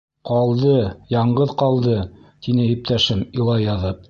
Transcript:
— Ҡалды, яңғыҙ ҡалды, — тине иптәшем, илай яҙып.